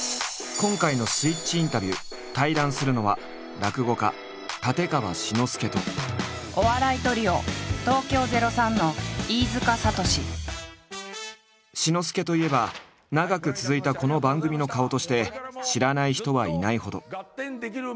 今回の「スイッチインタビュー」対談するのは志の輔といえば長く続いたこの番組の顔として知らない人はいないほど。